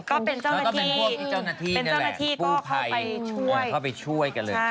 ก็เป็นเจ้าหน้าที่ก็เข้าไปช่วย